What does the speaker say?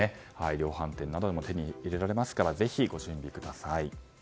量販店などでも手に入れられますからご準備ください。